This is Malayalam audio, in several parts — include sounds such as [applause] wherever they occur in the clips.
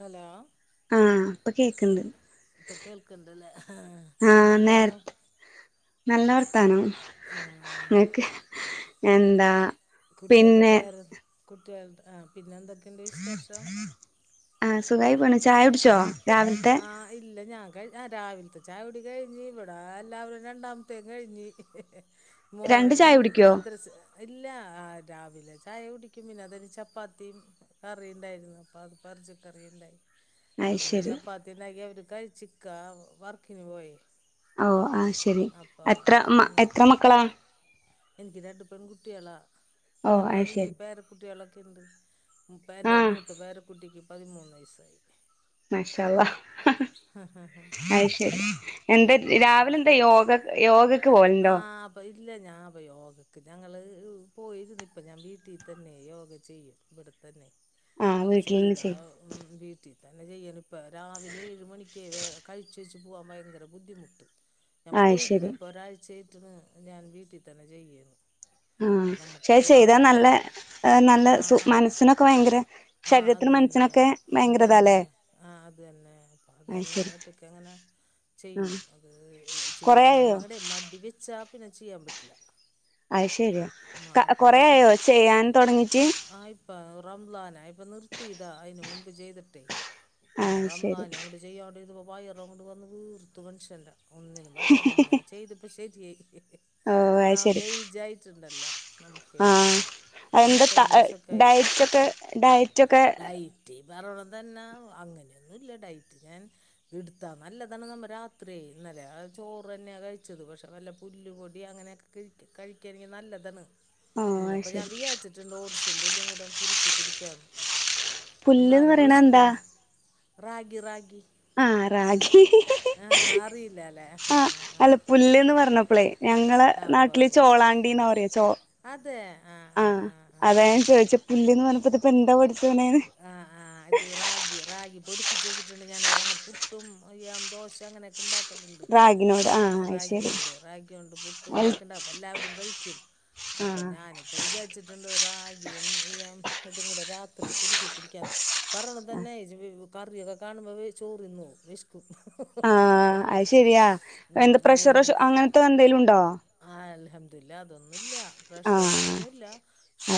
ഹലോ ആഹ് ഇപ്പൊ കേക്കണ്ട് ഇപ്പൊ കേൾക്കണ്ടല്ലേ ആഹ് പിന്നെന്താണ് നേരത്തെ നല്ല വർത്താനം ആഹ് ഇങ്ങക്ക് എന്താ കുട്ടിയൾടെ പിന്നെ പേര് കുട്ടികൾടെ ആ പിന്നെന്തൊക്കെയുണ്ട് വിശേഷം? ആ സുഖായി പോണ് ചായൊടിച്ചോ രാവിൽത്തെ? ആ ഇല്ല ഞാൻ കഴി ആ രാവിലത്തെ ചായുടി കഴിഞ്ഞ് ഇവിടെയെല്ലാവരും രണ്ടാമത്തേം കഴിഞ്ഞ് രണ്ട് മോൻ ചായ കുടിക്കോ മദ്രസ്സ്‌ ഇല്ല രാവിലെ ചായ കുടിക്കും പിന്നെ അതയിഞ് ചപ്പാത്തിം കറിണ്ടായിരുന്നു അപ്പൊ അത് എറച്ചി കറിയ്ണ്ടായി ആ അയ് പിന്നെ ശരി ചപ്പാത്തിണ്ടാക്കി അവര് കഴിച്ചിക്ക വർക്കിനു പോയി ഓ ആഹ് ശെരി അപ്പൊ എത്ര മ എത്ര അങ്ങനെ മക്കളാ? എനിക്ക് രണ്ടു പെൺ കുട്ടികളാ ഓഹ് ഞാൻ പ അയ് എനിക്ക് ശരി പേരെ കുട്ടികളൊക്കെയ്ണ്ട് ഇപ്പയെന്റെ ആഹ് മൂത്ത പേര കുട്ടിക്ക് പതിമൂന്ന് വയസ്സായി മാഷാ അള്ളാഹ് ഹ ഹാ് അഹ് ശെരി എന്താ രാവിലെന്താ യോഗ യോഗക്ക് പോവല്ണ്ടോ? പോയിട്ടില്ല ഞാൻ അപ്പ യോഗയ്ക്ക് ഞങ്ങള് പോയിരുന്നു ഇപ്പ ഞാൻ വീട്ടിൽ തന്നെ യോഗ ചെയ്യും ഇവിടെത്തന്നെ ആഹ് അത് വീട്ടിൽന്ന് ചെയ്താ ചെയ്യും ഉം വീട്ടി തന്നെ ചെയ്യല്പ്പ രാവിലെ ഏഴ് മണിക്ക് വേം കഴിച്ചേച്ച് പോവാൻ ഭയങ്കര ബുദ്ധിമുട്ട് ഞാൻ അയ് ശരി പോയിര്ന്ന് ഇപ്പൊ ഒരാഴ്ചായിട്ടാന്ന് ഞാൻ വീട്ടിൽ തന്നെ ചെയ്യരുന്നു ആഹ് പക്ഷെ അത് ചെയ്താ നല്ല നല്ല സു മനസ്സിനൊക്കെ ഭയങ്കര ആഹ് ശരീരത്തിനും അതന്നെ മനസ്സിനൊക്കെ അത് ഭയങ്കര തന്നെ ഇതാല്ലേ ആ് അത് തന്നെ അ അതെ അത് ഞൻ ശരി ഒറ്റക്കങ്ങനെ ആ ചെയ്യും അത് ചെ കൊറേ ആയോ നമ്മങ്ങട്ടെ മടിവെച്ചാ പിന്നെ ചെയ്യാൻ പറ്റില്ല അഹ് ശരിയാ അപ്പം കൊറേ അത് ന- ആയോ ചെയ്യാൻ തൊടങ്ങിട്ട്? ആ ഇപ്പം റംളാനായപ്പൊ നിർത്തിയതാ അയിന് മുമ്പ് ചെയ്തിട്ടെ പിന്നെ അത് ശരി റംളാനങ്ങ ട്ട് ചെയ്യാണ്ടിരുന്നപ്പോ വയറങ്ങട്ട് വന്ന് വീർത്തു മനുഷ്യന്റെ ഒന്നിനും പറ്റ്ണ് പിന്ന ഞാൻ ചെയ്ത് അപ്പ ശരിയായി ഓ അത് ഒന്നാമത് ശരി എയ്ജായിട്ടുണ്ടല്ലോ നമക്കെ ആ എന്താ ത അമ്പത്തഞ്ച് വയസ്സക്കായി ഡയറ്റൊക്കെ ഡയറ്റൊക്കെ ഇതായി റ്റ് പറിണതന്നെ അങ്ങനെയൊന്നുല്ല ഡയറ്റ് ഞാൻ ഇട്ത്താ നല്ലതാണ് നമ്മ രാത്രി ഇന്നലെ ചോറ് തന്നെയ കഴിച്ചത് പക്ഷെ നല്ല പുല്ല് പൊടി അങ്ങനെയൊക്കെ കഴി കഴിക്കാണെങ്കി നല്ലതാണ് ഓ അത് ഇന്നിപ്പം ഞാൻ ശരി വിചാരിച്ചിണ്ട് ഓട്സും പുല്ലും കൂടെയങ്ങ് കുറുക്കി കുടിക്കാന്ന് പുല്ല്ന്ന് എന്നലും പറയണ എന്താ വെശക്കും റാഗി റാഗി ആഹ് റാഗി ആ അറിയില്ല അല്ലേ ആ ആ ആഹ് ആ അല്ല പു ആ പുല്ല്ന്ന് പറഞ്ഞപ്പളേ ഞങ്ങളെ ആ ഉവ്വ നാട്ടില് ഉവ്വ ചോളാണ്ടിന്നാ പറയാ ചോ അതെ ആഹ് ആ ആഹ് ആഹ് അതാ ഞൻ ചോയിച്ചെ പുല്ല്ന്ന് പറഞ്ഞപ്പോ ഇത്പ്പെന്താ പടച്ചോനേന്ന് ആഹ് ആഹ് ഇത് റാഗി റാഗി പൊടി പ്പിച്ച് വെച്ചിട്ടുണ്ട് ഞാൻ ഞങ്ങൾ പുട്ടും, അയ്യം ദോശ അങ്ങനെയൊക്കെണ്ടാക്കല്ണ്ട് റാഗിനോട് ആ അത് ശരി റാഗിയോണ്ട് റാഗിയോണ്ട് പുട്ടും ഇതൊക്കെണ്ട അപ്പെല്ലാവരും കഴിക്കും ആ അപ്പൊ ഞാനി പ്പൊ വിചാരിച്ചിട്ട്ണ്ട് റാഗിയും ഇതും കൂടെ രാത്രി കുറുകി കുടിക്കാന്ന് ആ പറിണതന്നെ കറിയൊക്കെ കാണുമ്പോ ചോറ് തിന്നോ വും വെശ ക്കും ആഹ് അത് ശെരിയാ ഉം എന്താ അത് പ്രഷറോ തന്നെ ഷു അങ്ങനത്തെ എന്തേലും ഉണ്ടോ ആഹ് അൽഹമ്ദുലില്ല അതൊന്നുല്ല ആഹ് പ്രഷറൊന്നുല്ല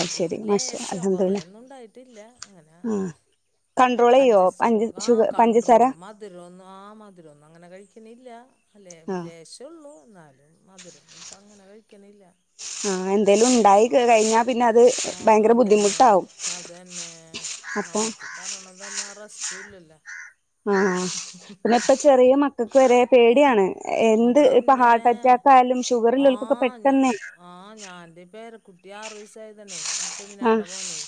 അത് ശരി മാഷാ ലേശം അൽഹംദുലില്ലാ കൊറേയൊന്നും ഉണ്ടായിട്ടില്ല അങ്ങനെ ആഹ് കൺട്രോളെയ്യോ അഡ്ജസ്റ്റ് ചെയ്ത് പഞ്ച പോ ആ ഷുഗ പഞ്ചസാര കൺണ്ട്രോള് മ [unintelligible] മധുരമൊന്നും അങ്ങനെ കഴിക്കുന്നില്ല അല്ലേ ആഹ് ലേശം ഉള്ളൂ എന്നാലും മധുരമൊന്നും ഇപ്പം അങ്ങനെ കഴിക്കണില്ല ആഹ് എന്തേലും ഉണ്ടായി കഴിഞ്ഞാ പിന്നെ അത് ആ ഭയങ്കര അത് തന്നെ ബുദ്ധിമുട്ടാവും അപ്പം പറഞ്ഞോണം തന്നെ റസ്റ്റും ഇല്ലല്ലേ ആഹ് പിന്നെ ഇപ്പ ചെറിയ മക്കൾക്ക് വരെ പേടിയാണ് എന്ത് ഇപ്പ അതന്നെ ഹാർട്ട് അറ്റാക്ക് ആയാലും ഷുഗർ ഉള്ളവർക്കൊക്കെ പെ ആഹ് ഞ തന്നെ ആഹ് ഞാൻ എന്റെ പേരകുട്ടി ആറു വയസ് ആയതാണെ ആഹ് ഫെമിനാടെ മോനെ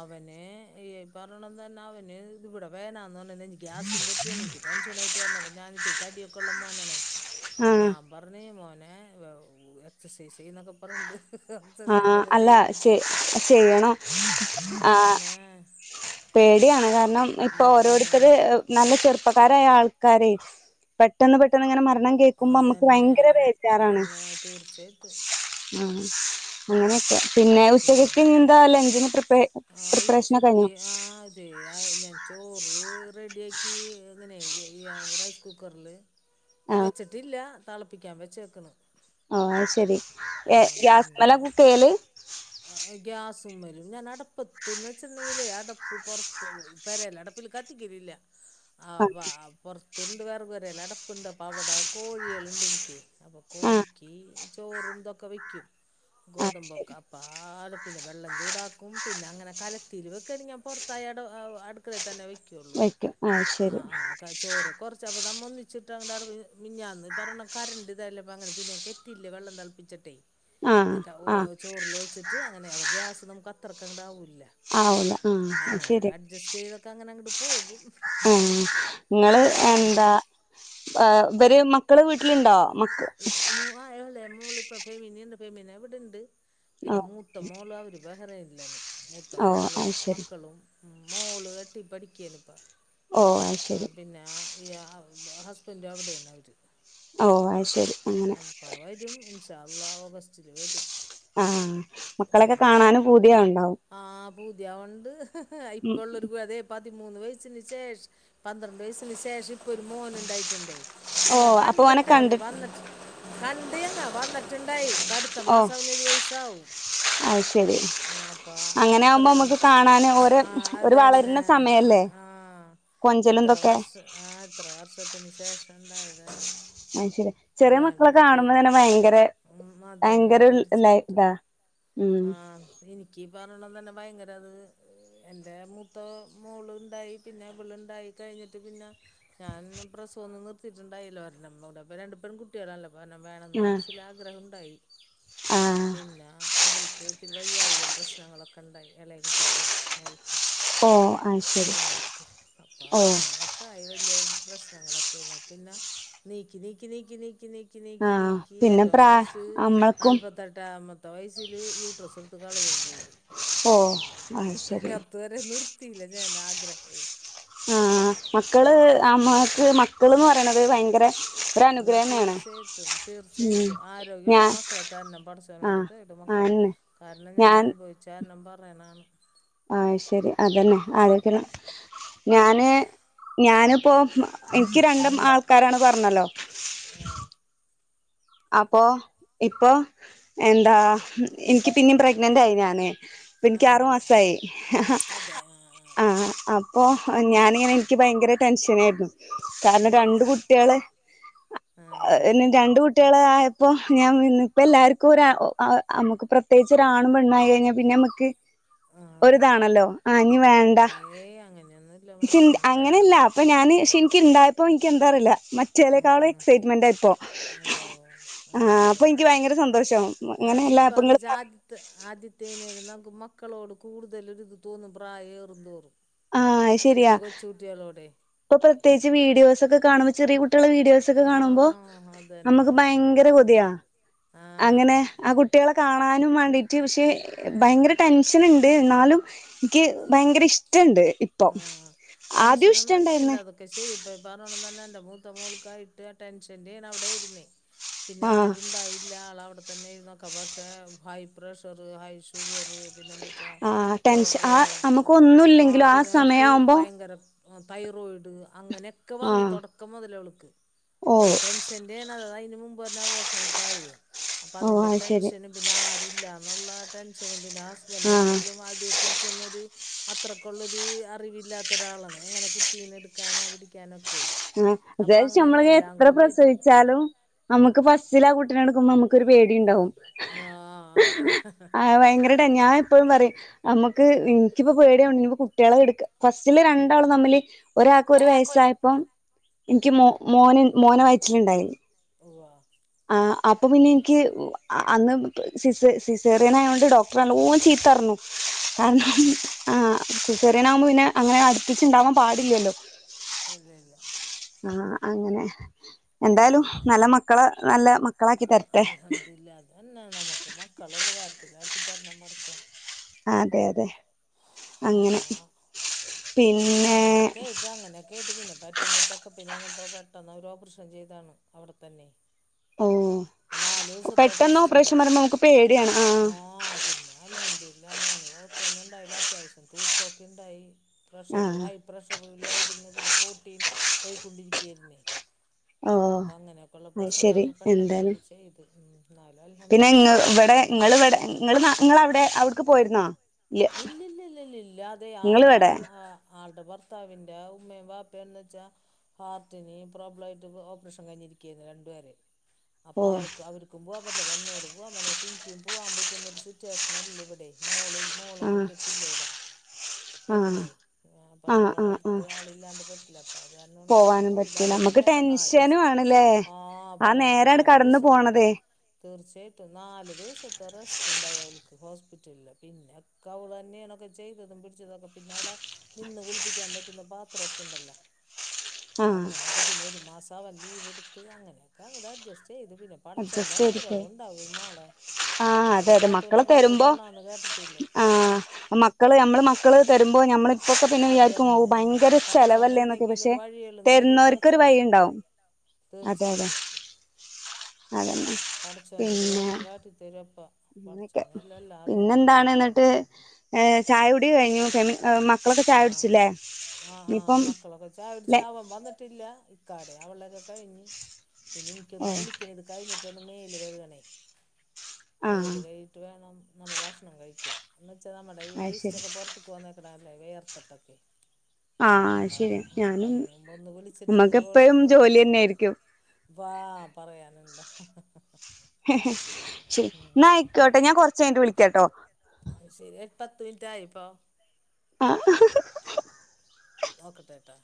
അവന് ഈ പറഞ്ഞോണം തന്ന അവന് ഇവിടെ [unintelligible] [unintelligible] എനിക്ക് ടെൻഷനായിട്ട് പറഞ്ഞ [unintelligible] തടിയൊക്കെ ഉള്ള മോനാണേ അപ്പൊ ആഹ് ഞാൻ പറഞ്ഞ് മോനെ എക്സസൈസ് ചെയ്യുന്നൊക്കെ പറഞ്ഞോണ്ട് ആഹ് അല്ല ചെയ്യണം ആ, ആഹ് അതന്നെ പേടിയാണ് കാരണം ഇപ്പോ അതന്നെ ഓരോരുത്തര് നല്ല ചെറുപ്പക്കാരായ ആൾക്കാരെ പെട്ടെന്ന്, പെട്ടെന്ന് ഇങ്ങനെ മരണം കേൾക്കുമ്പോ നമ്മക്ക് അതന്നെ ഭയങ്കര വേജാറാണ്. അതന്നെ തീർച്ചയായിട്ടും ആഹ് അങ്ങനെയൊക്കെ. പിന്നെ കുഞ്ഞ് ഉച്ചത്തേക്ക് ഇന്ന് എന്താ ലഞ്ചിന് പ്രിപ്പെ പ്രിപ്പറേഷനൊക്കെ കഴിഞ്ഞോ? ആഹ് അതെ ആഹ് ഞാൻ ചോറ് റെഡിയാക്കി ഇങ്ങനെ ഈ റൈസ്കുക്കറ് ല് ആഹ് വെച്ചിട്ടില്ല തിളപ്പിക്കാൻ വെച്ചേക്ക്ണ്. ആഹ് ശരി ഏഹ് ഗ്യാസ്മേല കുക്ക് ചെയ്യല്? ആഹ് ഗ്യാസ്മേലും ഞാൻ അടുപ്പത്ത്ന്ന് വെച്ചിണ്ടെങ്കില് അടപ്പ് പൊറത്ത് പെരെലെ അടുപ്പിൽ കത്തിക്കലില്ല ആഹ് [unintelligible] പൊറതുണ്ട് വിറക്പെരെലെ അടപ്പ്. ഉണ്ട് അപ്പ അവിടെ കോഴികൾ ഉണ്ട് എനിക്ക് അപ്പോ ആഹ് കോഴിക്ക് ചോറും ഇതൊക്കെ വെക്കും ആഹ് ഗോതമ്പൊക്കെ ശരി പാട് പിന്നെ വെള്ളം ചൂടാക്കും പിന്നെ അങ്ങനെ കലത്തില് [unintelligible] അടുക്കളയിൽ തന്നെ വെയ് [unintelligible] വെക്കും ശരി ആഹ്, ആഹ് [unintelligible] ചോറ് കുറച് [unintelligible] മിനഞ്ഞാന്ന് [unintelligible] ഇതില്ലെ വെള്ളം തിളപ്പിച്ചട്ടെ. ആഹ് ആഹ് ചോറിലൊഴിച്ചിട്ട് അങ്ങനെയാവും ഗ്യാസ് നമ്മുക്ക് അത്രക്കങ്ങട്ട് ആവൂല. ആവൂല ആഹ് അത് അങ്ങനെയൊക്കെ ശരി അഡ്ജസ്റ്റ് ചെയ്തൊക്കെ അങ്ങനെ അങ്ങട് പോകും. നിങ്ങള് പറഞ്ഞോണം എന്താ ബാ ഇവര് മക്കള് വീട്ടിലുണ്ടോ? മക്ക ഉം ആയോലെ മോള് ഇപ്പോ ഫെമീനിന്റെ ഫെമീന ഇവിടെ ഉണ്ട് ഓഹ് പിന്നെമൂത്ത മോള അവര് ബെഹ്റെയ്നിലാണ് മൂത്ത ഓഹ് മോളും അത് ശരി മക്കളും. ഉം മോള് എട്ടി പഠിക്കയാനിപ്പ ഓ അത് ആഹ് ശരി പിന്നെ ആഹ്. [unintelligible] ഹസ്ബെന്റ് അവിടെയാണ് അവര്. ഓ, അത് ശരി. അങ്ങനെ ഇപ്പ വരും ഇൻഷാഅള്ളാ ഓഗസ്റ്റില് വരും. ആഹ് മക്കളൊക്കെകാണാനും പൂതിയാവുണ്ടാവും? ആഹ് പൂതിയാവുണ്ട് ഇപ്പോ ഉം ഉള്ളൊരു അതെ പതിമൂന്ന് വയസ്സിന് ശേഷ പന്ത്രണ്ട് വയസ്സിന് ശേഷം ഇപ്പൊരു മോൻ ഉണ്ടായിട്ടുണ്ടെ. ഓ അപ്പൊ ഓനെ ഞങ്ങകണ്ടിട്ട് കണ്ടി അവര് വന്നിട്ട് കണ്ടീന്നു വന്നിട്ട് ഉണ്ടായി. അടുത്ത ഓ മാസം അവന് ഒരു വയസ്സാവും അത് ശരി ആഹ് പ്പാ അങ്ങനെ ആകുമ്പോ എത്രയാണ് നമുക്ക് കാണാന് ഓര് ആഹ് ഓര് അതന്നെ ആഹ് കൊഞ്ചലുംന്തൊക്കെ ട്ട് ആഹ് ഇത്ര വർഷത്തിന് ശേഷം ഇണ്ടായതല്ലേ. അഹ് ശെരിയ ചെറിയ മക്കളെ കാണുമ്പതന്നെ ഭയങ്കരെ അത് തന്നെ ഭയങ്കെരെൽ ലൈ ഇതാ ഉം എനിക്കീ പറിണതെന്നെ ഭയങ്കരത് എന്റെ മൂത്ത മോള്ണ്ടായി പിന്നെ അവിളുണ്ടായി കഴിഞ്ഞിട്ട് പിന്ന ഞാൻ പ്രസവഒന്നും നിർത്തിയിട്ടുണ്ടായില്ല ഒരെണ്ണംന്ന്കൂടെ രണ്ടുപെൺകുട്ടിയാണല്ലോ ഒരെണ്ണം വേണമെന്ന് ആഹ് മനസ്സിൽ ആഗ്രഹം ഉണ്ടായി ആഹ് പിന്ന ഇവൾക്ക് ഇത്തിരി വൈയ്യായികം പ്രശ്നങ്ങള് ഒക്കെഇണ്ടായി ഇളയ കുട്ടിക്കെയ്. മോൾക്ക് ഓ അത് ശരി ഫെമിനാക്ക് അപ്പാ ഓ അങ്ങനെ ക്കയ്വല്ല്യാ പ്രശ്നങ്ങളൊക്കെര്ന്നു പിന്നെ നീക്കി, നീക്കി, നീക്കി, നീക്കി നീക്കി, ആഹ് പിന്നെ നീക്കിഏറ്റവും പ്രാ ലാസ്റ്റ് നമ്മൾക്കും ന്നാൽപ്പത്തെട്ടാം മത്തെ വയസ്സില് യൂട്രസ് എടുത്ത് കളയുംചെയ്ത്. ഓഹ് അഹ് ശെരി. ഇതുവരെ നിർത്തിയില്ല ഞാൻ ആഗ്രഹേ ആഹ് മക്കള് പിന്നെ അമ്മാക്ക് മക്കള്ന്ന് പറയ്ണത് ഭയങ്കെരെ ഇന്നാതീർച്ചയേട്ടും, ഉം തീർച്ചയേട്ടും ആരോഗ്യമുള്ള ഞാൻ മക്കളെതെര്ണം ആ പടച്ചോനോട്‌ തേട്മക്കളെ. ആന്നെ കാരണം ഞാൻ അനുഭവിച്ചകാരണം പറയണാണ്. അഹ് ശെരി അതെന്നെ ആരോഗ്യണ് ഞാന് ഞാന്പ്പോ എനിക്ക് രണ്ട് ആൾക്കാരാണ് പറഞ്ഞല്ലോ ആഹ് അപ്പൊ ഇപ്പൊ എന്താ എനിക്ക് പിന്നിം പ്രഗ്നന്റ് ആയി ഞാന് ആ അപ്പനിക്ക് ഉവ്വ ആറുമാസായി അതെ ആ ആഹ് ആഹ് ആഹ് അപ്പോ ഞാനിങ്ങനെ എനിക്ക് ഭയങ്കര ടെൻഷനായിരുന്നു കാരണം രണ്ട് ഏത് കുട്ടികള ആഹ് രണ്ട് കു കുട്ടിള് ആയപ്പോ ഞാൻ ഇന്ന ഇപ്പ എല്ലാവർക്കും ഒ നമുക്ക് പ്രത്യേകിച്ച് ഒരാണും പെണ്ണായി കഴിഞ്ഞാൽ പിന്നെ ക ആഹ് അതെ ഒരുതാണല്ലോ ആ നി വേണ്ട ഏയ് അങ്ങനെയൊന്നുല്ല മോളെ അങ്ങനെ വേണം അങ്ങനെല്ല പ്പ മക്കള് ഞാന് പക്ഷേ ആഹ് എനിക്ക് ഇണ്ടായപ്പോ എനിക്ക് എന്താറിയില്ല ആഹ് മറ്റേക്കാളും ആഹ് എക്സൈറ്റ്മെന്റ്യപ്പോ ഉവ്വ് ഉവ്വ് അതെ ആഹ അതെ ഇപ്പൊ അതെ എനിക്ക് അതെ ഭയങ്കര സന്തോഷം അങ്ങനെല്ലാപ്പങ്ങളും ആദിതനൽ നമക്ക് മക്കളോട് കൂടുതലരിത് തോന്നും പ്രായ ഏറും തോറും അഹ് ശരിയാ ഇപ്പൊ പ്രത്യേകിച്ച് വീഡിയോക്കെ കാണുമ്പോ ചെറെ കുട്ടിളെ വീടിയൊസ് ഇതൊക്കെ കാണുമ്പോ ആഹ് അതന്നെ നമുക്ക് ഭയങ്കര കൊതിയ അങ്ങനെ ആഹ് ആ കു കുട്ടികളെ കാണാനും വേണ്ടിട്ട് പക്ഷെ ഭയങ്കര ടെൻഷൻണ്ട് എന്നാലും ക്ക് ഭയങ്കര ഇഷ്ടണ്ട് ഇപ്പൊ ആഹ ആദ്യം ടെൻഷനന്നും അടിക്കണ്ട ഇഷ്ടണ്ടായിന്ന് അതൊക്കെ ശരിപ്പ പറഞ്ഞന്നെ എന്റെ മൂത്ത മോൾക്കായിട്ട് ടെൻഷന്റെ അവിടെ ഇരു ന്ന പിന്നെ ആഹ് ആരുണ്ടായി എല്ല ആള അവിടെത്തന്നെ നോക്കാം പക്ഷെ ഹൈ പ്രഷറ് ഹൈ ഷുഗറ് പിന്നെ എന്ട്ട ആഹ് കോ ടെൻഷൻ ആ നമുക്ക് ആ ആ ഒന്നുല്ലെങ്കിലും പിന്നെ ഫുൾ സമയാവുമ്പോ ഭയങ്കര തൈറോയിഡ് അങ്ങനെക്കെ വന്ന് ആഹ് തൊടക്കം മുതല അവൾക്ക് ഓ ടെൻഷന്റെത അതിന് മുമ്പ്ഒരെണ്ണം അപോഷനായി അപ്പൊ ഓ അതിന്റെ അത് ശരി ടെൻഷനും പിന്നെ ആരു ഇല്ല എന്നുള്ള ടെൻഷൻ പിന്നെ ഹുസ്ബൻഡ് ആഹ് ആണെങ്കിലും അതെക്കുറിച്ചു ഒരു അത്രയ്ക്കൊരു അറിവില്ലാത്ത ഒരാളാണ് എങ്ങനെ കുട്ടീനെ എടുക്കാനോ പിടിക്കാനോ ക്കെ ആ അത് നമ്മള് എത്ര പ്രസവിച്ചാലും നമുക്ക് ഫസ്റ്റിലാ ആ കുട്ടിനെടുക്കുമ്പോ നമുക്ക് ഒരു പേടിണ്ടാവും ഹ് അതെ ഭയങ്കരായിട്ടന്യായം എപ്പഴും പറയും നമ്മക്ക് എനിക്കിപ്പ പേടിയാവ്ണ്ട് ഇനിയിപ്പോ കുട്ട്യാളെ എടുക്ക ഫസ്റ്റില് രണ്ടാളും തമ്മില് ഒരാക്ക് ഒരു വയസ്സായപ്പം ഇൻക്ക് മോ മോന് മോനെ വയറ്റില്ണ്ടായി ഉവ്വാ ആ അപ്പ പിന്നെ എനിക്ക് അ അന്ന് പ് സിസേ സിസേറിയനായോണ്ട് ഡോക്ടറ് നല്ലോം ചീത്തറഞ്ഞു ഉവ്വ [unintelligible] ആ സിസേറിയനാവുമ്പ പിന്നെ അങ്ങനെ അടുപ്പിച്ചുണ്ടാവാൻ പാടില്ലല്ലോ ഇല്ല്യ ഇല്ല്യ ആ അങ്ങനെ ഉം എന്തായാലും നല്ല മക്കളെ നല്ല മക്കളാക്കി തര... അൽഹംദുലില്ലാ അതന്നെ നമുക്ക് മക്കളെ ഉപകാരത്തിലാക്കി തരണം പടച്ചോൻ അതെ അതെ അങ്ങനെ അപ്പൊ പിന്നെ അങ്ങനെയൊക്കെ ഇട്ട് അങ്ങനെ കേട്ട് പിന്നെ പെട്ടെന്ന് ചെക്കപ്പിന്‌ ചെന്നെപ്പോ പെട്ടെന്ന് അവര് ഓപ്പ്റഷം ചെയ്തതാണ് അവിടെത്തന്നെ ഓ നാലൂസത്തെ പെട്ടെന്ന് ഓപ്പറേഷൻ ഡ്രസ്റ്റ്ണ്ടായി പറയുമ്പോ നമുക്ക് പേടിയാണ് ആഹ് ആ പിന്നെ അൽഹംദുരില്ലാ മോന് കൊഴപ്പൊന്നും ഉണ്ടായില്ല അത്യാവശ്യം തൂക്കൊക്കെണ്ടായി പ്രഷറ് ആഹ് ഹൈ പ്രഷറിലായിര്ന്ന് പിന്നെ പ്രോട്ടീൻ പോയിക്കൊണ്ടിരിക്കേയിരുന്നേ ഓ അപ്പ അങ്ങനെയൊക്കെയുള്ള അത് ശരി പ്രശ്നങ്ങളായപ്പൊ പെട്ടെന്ന് എന്തായാലും അവര് ചെയ്ത് ഉം എന്നാലും അൽഹം പിന്നെ ഇങ്ങ ഇവടെ ഇങ്ങള് ഇവടെ ഇങ്ങള് ന്ന ഇങ്ങള്അവിടെ അവിട്ക്ക് പോയിര്ന്നാ ഇല്ലി ല്ലി ല്ലി ല്ലി ഇല്ല്യാതെ ഇവിടെ ആള്ടമ്മ ആ ആള്ടെ ഭർത്താവിന്റെ ഉമ്മയും വാപ്പേന്ന് വെച്ചാ ഹാർട്ടിന് പ്രോബ്ലായിട്ട് ഓപ്പറേഷൻ കഴിഞ്ഞിരിക്കേയിരുന്നു രണ്ടുപേരെം അപ്പ ഓ ആൾക്ക് അവർക്കും പോവാൻ പറ്റില്ല അപ്പ എന്നോടും പോവാം പറഞ്ഞു പക്ഷെ ഇനിക്കും പോവാൻ പറ്റുന്നൊരു സിറ്റുവേഷൻ അല്ല ഇവിടെ മോളിൽ മോളും ആഹ് കുട്ടിയൊക്കെ, ഇല്ലെവിടെ ആഹ് ഫെമിനേയ് അപ്പ ആഹ് ആഹ് ആഹ് അവളട്ത്ത് ആളില്ലാണ്ട് പറ്റ്ല്ല അപ്പ അത് കാരണോണ്ട് ഞാൻ പോവാനും പോയില്ല പറ്റൂല നമ്മുക്ക് അവളെന്നെയൊക്കെ ടെൻഷനും നാലൂസം ആണല്ലേ ആഹ് പറയാന നാലൂസം വേ തീർച്ചയായിട്ടും നാല് ദിവസത്തെ റെസ്റ്റ് ഇണ്ടായി അവൾക്ക് ഹോസ്പിറ്റലില് പിന്നെ ഒക്ക അവളെന്നെയാണൊക്കെ ചെയ്തതും പിടിച്ചതൊക്കെ പിന്നവടെ നിന്ന് കുളിപ്പിക്കാൻ പറ്റുന്ന പാത്രൊക്കെ ഇണ്ടല്ല ആഹ് അങ്ങനെയൊക്കെ പിന്നെ ഒരു മാസം അവൻ ലീവ് എടുത്ത് അങ്ങനെയൊക്കെ അങ്ങട് അഡ്ജസ്റ്റ് ചെയ്ത് പിന്നെ പടച്ചോന്റെ അഡ്ജസ്റ്റ് ചെയ്ത് പോ അനുഗ്രഹവും ഉണ്ടാവും മോളെ ആഹ് അതെ അതെ ആരുമില്ലാത്തവന് മക്കളൊക്കെ റബ്ബ് വരുമ്പോ തൊണാന്ന് കേട്ടിട്ടില്ലേ ആഹ് മ ക്കള് ഞമ്മള് മക്കള് തരുമ്പോ ഞമ്മള് ഇപ്പൊക്കെ പിന്നെ വിയാരിക്കും ഔ അതന്നെ ഭയങ്കര പടച്ചോൻ ചെലവല്ലേ എന്നൊക്കെ എന്തെങ്കിലും പക്ഷെ വഴികളും തരും തര്ന്നോര്ക്കൊരു പടച്ചോൻ വയിണ്ടാവും തീർച്ചയായിട്ടും അതന്നെ പടച്ചോനൊരു വഴിയും കാട്ടി ത്തരും അപ്പൊ അങ്ങനൊക്കെ പിന്നെന്താണ് ഇന്നിട്ട് ങേ ചായ കുടി കഴിഞ്ഞു ഫെമി ഏ മക് ആഹ് ആഹ് ആഹ് മക്കളൊക്കെ ചായകുടിച്ച് ല്ലെ അവൻ വന്നി ട്ടില്ല ഇക്കാടെം അവളത് കഴിഞ്ഞ് ഇനി എനിക്കൊന്ന് ഓ കുളിക്കണം ഇത് കഴിഞ്ഞി ട്ടൊന്ന് മേല് കഴുകണേ ആഹ് മേല് കഴുകീട്ട് വേണം നമ്മ ഭക്ഷണം കഴിക്കാൻ എന്ന്വെച്ചാ നമ്മടെ ഈ അത് വേസ്റ്റ് ശരി ഒക്കെ പൊറത്ത്ക്ക് വന്നേക്ക്ണ അല്ലേ വെയർത്തിട്ടൊക്കെ ആഹ് അത് അപ്പ ശരിയാ ഞാനും ആപ്പയിന് മുമ്പ് ഒന്ന് വിളിച്ചിട്ടൊരു നമ്മക്ക് ഗോൾ എപ്പഴും കോൾ ജോലി തന്നെയായിരിക്കും വാ പറയാനിണ്ട ശരി ഇന്നായ്ക്കോട്ടെ ഞാൻ കൊറച്ച് കഴിഞ്ഞിട്ട് വിളിക്കാട്ടോ ശരി എട് പത്ത് മിനിറ്റ് ആയിപ്പോ? ആഹ് നോക്കട്ടേട്ടാ